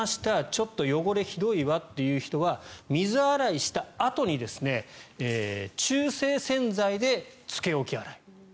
ちょっと汚れがひどいわという人は水洗いしたあとに中性洗剤でつけ置き洗い。